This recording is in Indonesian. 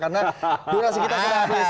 karena dunia sekitar kita sudah habis